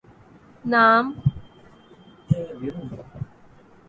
نام؟